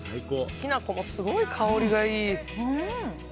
きな粉もすごい香りがいい。